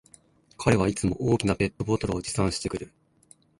彼はいつも大きなペットボトルを持参してくる